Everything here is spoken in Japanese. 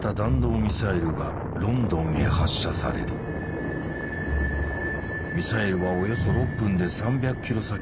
ミサイルはおよそ６分で３００ｋｍ先のロンドンに着弾。